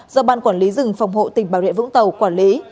do ban quản lý dừng phòng hộ tỉnh bà rệ vũng tàu quản lý